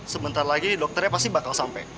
sebentar lagi dokternya pasti bakal sampai